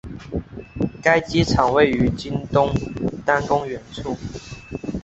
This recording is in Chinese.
该机场位于今东单公园处。